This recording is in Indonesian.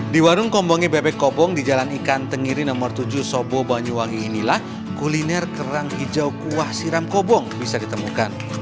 di warung kombongi bebek kobong di jalan ikan tengiri nomor tujuh sobo banyuwangi inilah kuliner kerang hijau kuah siram kobong bisa ditemukan